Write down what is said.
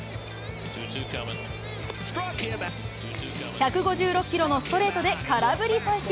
１５６キロのストレートで空振り三振。